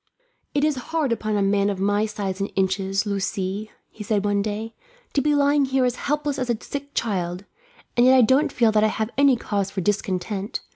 "It is hard upon a man of my size and inches, Lucie," he said one day, "to be lying here as helpless as a sick child; and yet I don't feel that I have any cause for discontent.